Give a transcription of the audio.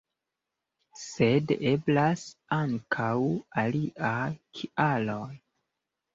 Sed eblas ankaŭ aliaj kialoj.